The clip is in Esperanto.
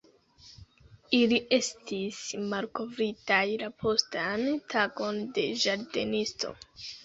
Ili estis malkovritaj la postan tagon de ĝardenisto.